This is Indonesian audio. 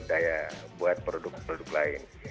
ini adalah sumber daya buat produk produk lain